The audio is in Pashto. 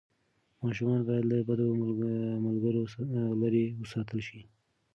ماشومان باید له بدو ملګرو لرې وساتل شي.